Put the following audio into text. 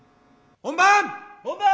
本番！